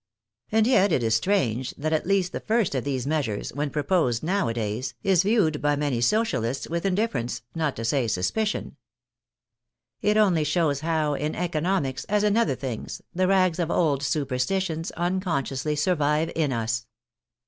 And yet it is strange that at least the first of these measures, when proposed nowadays, is viewed by many Socialists with indiffer ence, not to say suspicion. It only shows how, in eco nomics as in other things, the rags of old superstitions unconsciously survive in us.